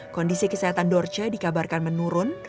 kondisi kesehatan dorce dikabarkan menurun